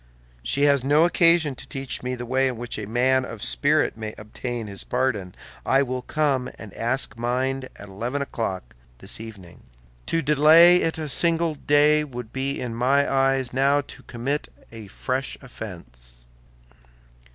She has no occasion to teach me the way in which a man of spirit may obtain his pardon. I will come and ask mine at eleven o'clock this evening. To delay it a single day would be in my eyes now to commit a fresh offense.